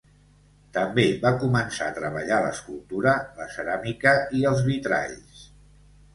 També va començar a treballar l'escultura, la ceràmica i els vitralls.